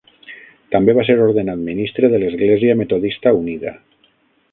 També va ser ordenat ministre de l'Església Metodista Unida.